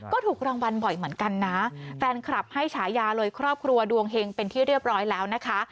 ก็ถูกรางวัลบ่อยเหมือนกันนะแฟนคลับให้ฉายาเลยครอบครัวดวงเฮงเป็นที่เรียบร้อยแล้วนะคะ